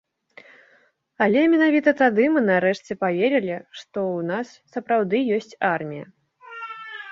Але менавіта тады мы нарэшце паверылі, што ў нас сапраўды ёсць армія.